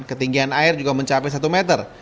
ketinggian air juga mencapai satu meter